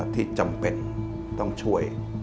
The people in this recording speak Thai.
ที่จำเป็นต้องช่วย